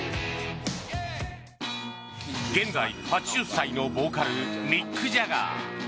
現在８０歳のボーカルミック・ジャガー。